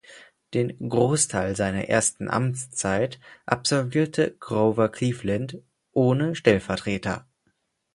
Den Großteil seiner ersten Amtszeit absolvierte Grover Cleveland ohne Stellvertreter.